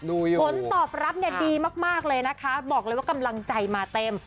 ผลตอบรับเนี่ยดีมากเลยนะคะบอกเลยว่ากำลังใจมาเต็ม